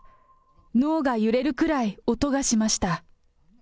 脳が揺れるくらい音がしました。